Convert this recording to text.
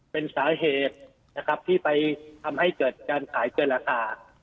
เป็นสาเหตุนะครับที่ไปทำให้เกิดการขายเกินราคา